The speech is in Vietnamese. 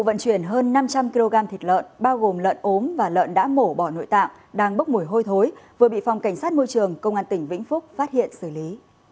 vận chuyển hơn năm trăm linh kg thịt lợn bao gồm lợn ốm và lợn đã mổ bỏ nội tạng đang bốc mùi hôi thối vừa bị phòng cảnh sát môi trường công an tỉnh vĩnh phúc phát hiện xử lý